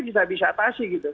kita bisa atasi gitu